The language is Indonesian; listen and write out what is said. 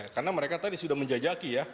karena mereka tadi sudah menjajaki ya